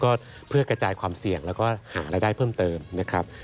ก็เพื่อกระจายความเสี่ยงแล้วก็หารายได้เพิ่มเติมนะครับ